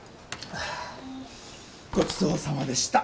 ごちそうさまでした。